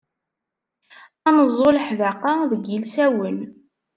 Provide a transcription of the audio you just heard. Ad neẓẓu leḥdaqa deg yilsawen.